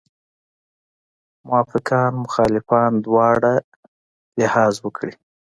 موافقان مخالفان دواړه لحاظ وکړي.